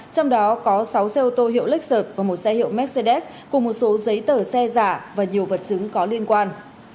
trong đó có sáu xe ô tô hiệu và một xe hiệu mercedes cùng một số giấy tờ xe giả và nhiều vật chứng có liên quan